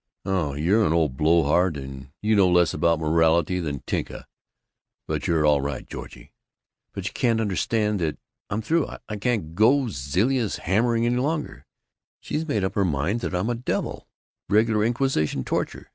"Oh, you're an old blowhard, and you know less about morality than Tinka, but you're all right, Georgie. But you can't understand that I'm through. I can't go Zilla's hammering any longer. She's made up her mind that I'm a devil, and Reg'lar Inquisition. Torture.